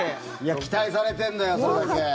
期待されてるんだよそれだけ。